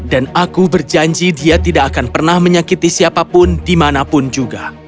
dan aku berjanji dia tidak akan pernah menyakiti siapapun dimanapun juga